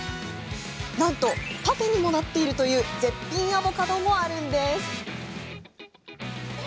なんとパフェにもなっているという絶品アボカドもあるんです。